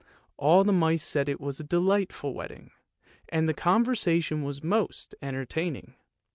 All the mice said it was a delightful wedding, and the con versation most entertaining.